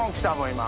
今。